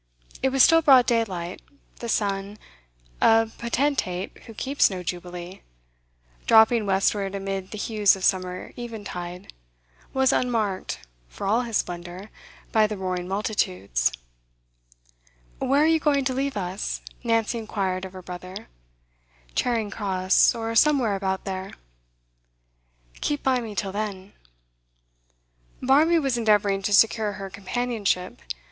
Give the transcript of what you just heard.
It was still broad daylight; the sun a potentate who keeps no Jubilee dropping westward amid the hues of summer eventide, was unmarked, for all his splendour, by the roaring multitudes. 'Where are you going to leave us?' Nancy inquired of her brother. 'Charing Cross, or somewhere about there.' 'Keep by me till then.' Barmby was endeavouring to secure her companionship.